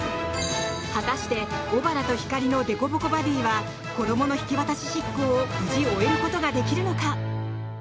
果たして、小原とひかりのでこぼこバディは子どもの引き渡し執行を無事終えることができるのか。